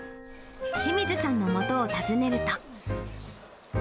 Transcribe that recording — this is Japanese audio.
志水さんのもとを訪ねると。